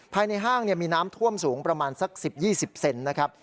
ภายในห้างมีน้ำท่วมสูงประมาณสัก๑๐๒๐เซนนะครับ